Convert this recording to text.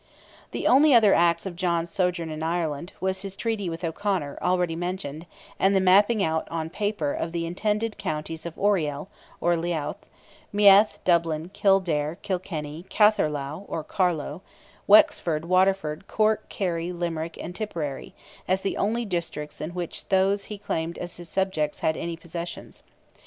The only other acts of John's sojourn in Ireland was his treaty with O'Conor, already mentioned, and the mapping out, on paper, of the intended counties of Oriel (or Louth), Meath, Dublin, Kildare, Kilkenny, Katherlough (or Carlow), Wexford, Waterford, Cork, Kerry, Limerick, and Tipperary, as the only districts in which those he claimed as his subjects had any possessions.